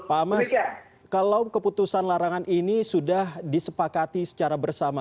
pak amas kalau keputusan larangan ini sudah disepakati secara bersama